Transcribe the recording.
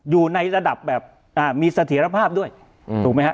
อยู่ในระดับแบบมีเสถียรภาพด้วยถูกไหมฮะ